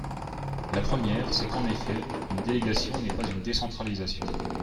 La première, c’est qu’en effet, une délégation n’est pas une décentralisation.